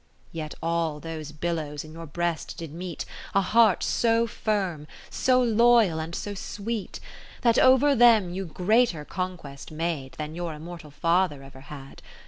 Yet all those billows in your breast did meet A heart so firm, so loyal, and so sweet. That over them you greater conquest made Than your immortal Father ever had.